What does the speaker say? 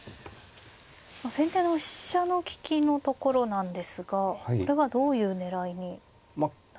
先手の飛車の利きのところなんですがこれはどういう狙いになるんでしょうか。